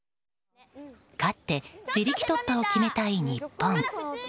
勝って自力突破を決めたい日本。